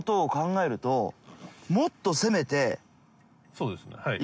そうですねはい。